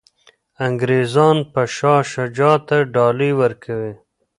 انګریزان به شاه شجاع ته ډالۍ ورکوي.